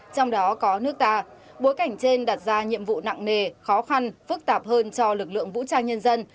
trong đó có nước ta bối cảnh trên đặt ra nhiệm vụ nặng nề khó khăn phức tạp hơn cho lực lượng vũ trang nhân dân